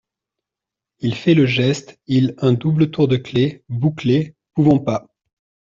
Il fait le geste il un double tour de clef. bouclés !… pouvons pas !…